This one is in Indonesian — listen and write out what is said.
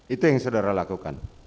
itu yang saudara lakukan